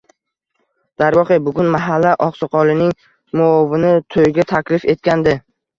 Darvoqe, bugun mahalla oqsoqolining muovini to`yga taklif etgandi